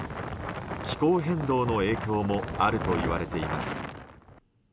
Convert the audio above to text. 気候変動の影響もあるといわれています。